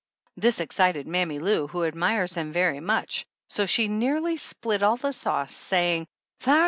This excited Mammy Lou, who admires him very much, so she nearly spilt all the sauce, saying, "Tbar !